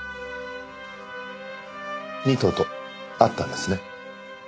仁藤と会ったんですね？